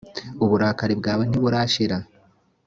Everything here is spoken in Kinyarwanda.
uburakari bwawe ntiburashira .